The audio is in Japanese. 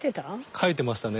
書いてましたね。